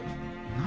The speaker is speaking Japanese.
何？